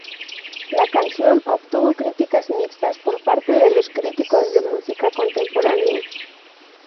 La canción obtuvo críticas mixtas por parte de los críticos de música contemporánea.